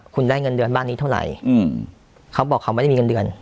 คุณได้เงินเดือนบ้านนี้เท่าไหร่เขาบอกเขาไม่ได้มีเงินเดือน